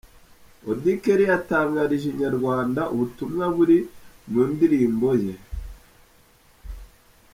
Auddy Kelly yatangarije Inyarwanda ubutumwa buri muri ndirimbo ye.